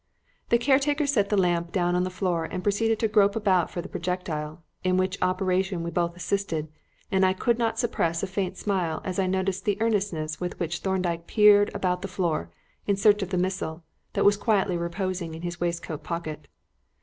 The caretaker set the lamp down on the floor and proceeded to grope about for the projectile, in which operation we both assisted; and I could not suppress a faint smile as I noted the earnestness with which Thorndyke peered about the floor in search of the missile that was quietly reposing in his waistcoat pocket.